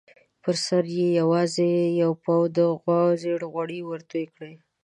پر سر یې یوازې یو پاو د غوا زېړ غوړي ورتوی کړي.